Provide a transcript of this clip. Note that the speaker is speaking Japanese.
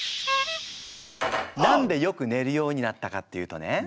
何でよく寝るようになったかっていうとね